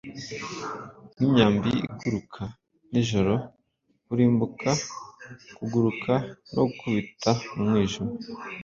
nk'imyambi iguruka Nijoro, kurimbuka kuguruka, no gukubita mu mwijima.